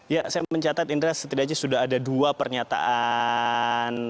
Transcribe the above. ya saya mencatat indra setidaknya sudah ada dua pernyataan